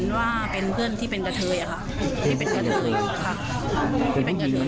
หลังเกิดเหตุใช่ไหมเกิดเหตุประมาณตี๓